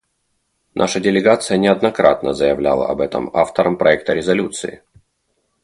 Наша делегация неоднократно заявляла об этом авторам проекта резолюции.